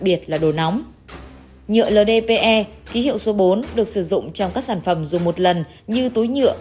biệt là đồ nóng nhựa ldpe ký hiệu số bốn được sử dụng trong các sản phẩm dùng một lần như túi nhựa